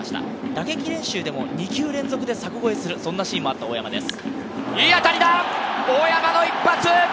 打撃練習でも２球連続、柵越えをするシーンもあった大山です。